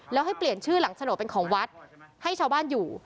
แล้วให้เปลี่ยนชื่อหลังโฉนดเป็นของวัดให้ชาวบ้านอยู่